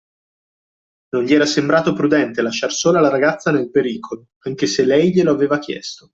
Non gli era sembrato prudente lasciar sola la ragazza nel pericolo, anche se lei glielo aveva chiesto.